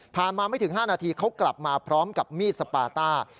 มาไม่ถึง๕นาทีเขากลับมาพร้อมกับมีดสปาต้า